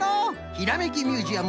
「ひらめきミュージアム」